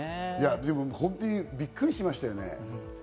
でも本当にびっくりしましたよね？